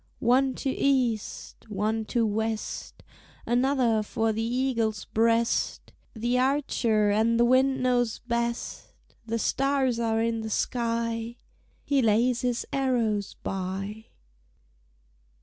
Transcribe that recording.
One to east, one to west, Another for the eagle's breast, The archer and the wind know best!" The stars are in the sky; He lays his arrows by.